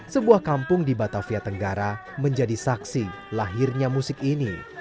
sebuah kampung di batavia tenggara menjadi saksi lahirnya musik ini